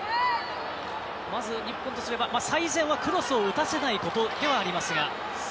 まず、日本とすれば最善はクロスを打たせないことではありますが。